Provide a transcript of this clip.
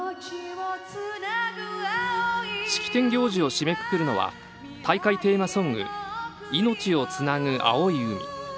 式典行事を締めくくるのは大会テーマソング「いのちをつなぐ碧い海」。